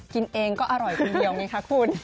กินเองก็อร่อยคนเดียว